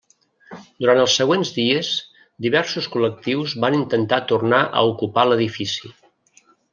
Durant els següents dies diversos col·lectius van intentar tornar a ocupar l'edifici.